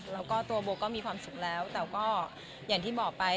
แล้วก็ตัวโบก็มีความสุขแล้วแต่ก็อย่างที่บอกไป